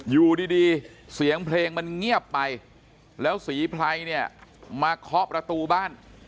อยู่ดีเสียงเพลงมันเงียบไปแล้วศรีไพรเนี่ยมาเคาะประตูบ้าน